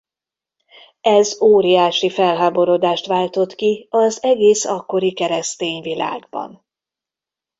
Ez óriási felháborodást váltott ki az egész akkori keresztény világban.